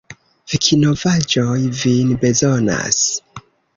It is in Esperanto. Vikinovaĵoj vin bezonas!